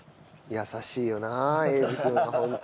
優しいよな英二君はホントに。